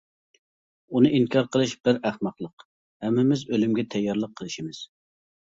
ئۇنى ئىنكار قىلىش بىر ئەخمەقلىق ھەممىمىز ئۆلۈمگە تەييارلىق قىلىشىمىز.